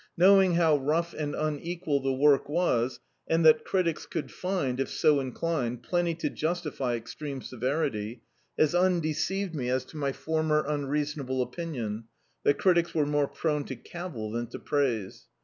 Knowing how rou^ and unequal the work was, and that critics could find — if so inclined — ^plenty to justify extreme severity, has undeceived me as to my former unreastHiable opinion, that critics were more prone to cavil than to praise.